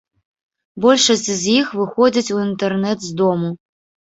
Большасць з іх выходзіць у інтэрнэт з дому.